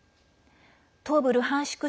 東部ルハンシク